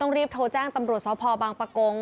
เนี่ยกระเป๋าตังค์เนี่ยกระเป๋าตังค์